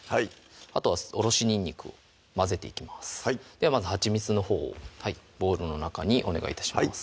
あとはおろしにんにくを混ぜていきますではまずはちみつのほうをボウルの中にお願い致します